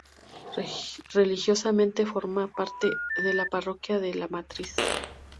Religiosamente, forma parte de la Parroquia de la Matriz.